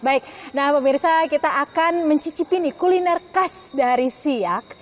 baik nah pemirsa kita akan mencicipi nih kuliner khas dari siak